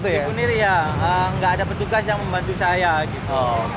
cikunir iya nggak ada petugas yang membantu saya gitu